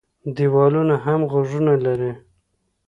ـ دیوالونه هم غوږونه لري.